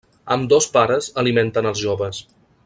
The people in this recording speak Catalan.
Ambdós pares alimenten als joves.